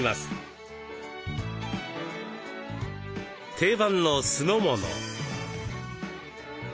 定番の酢の物。